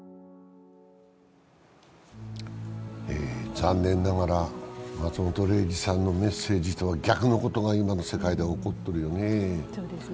残念ながら松本零士さんのメッセージとは逆のことが今の世界では起こっているよね。